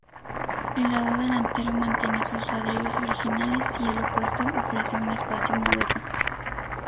El lado delantero mantiene sus ladrillos originales, y el opuesto ofrece un espacio moderno.